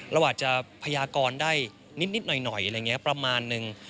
เราอาจจะพยากรได้นิดหน่อยอะไรอย่างนี้ประมาณนึง